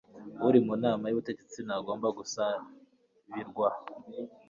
uri mu nama y ubutegetsi ntagomba gusabirwa